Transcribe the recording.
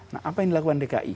nah apa yang dilakukan dki